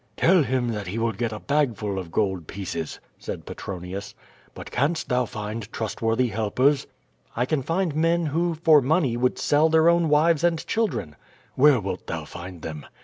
"Tell him that he will get a bagful of gold pieces," said Pe tronius. "But canst thou find trustworthy helpers?" "I can find men who, for money, would sell their own wives and children." ''Where, wilt thou find them?"